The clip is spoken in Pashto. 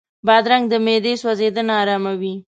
بادرنګ د معدې سوځېدنه آراموي.